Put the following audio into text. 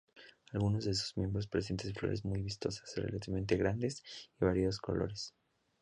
Algunos de sus miembros presentan flores muy vistosas, relativamente grandes y de variados colores.